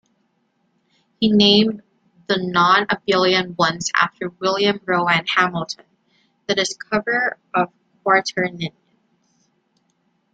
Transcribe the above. He named the non-abelian ones after William Rowan Hamilton, the discoverer of quaternions.